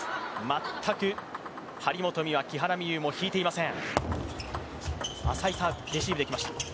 全く張本美和、木原美悠も引いていません。